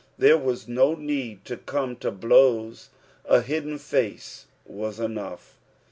There wna no need to come to blows, a hidden face whs enough.